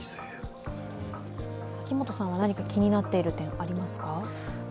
秋元さんは何か気になっている点はありますか？